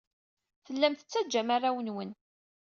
Tellam tettajjam arraw-nwen.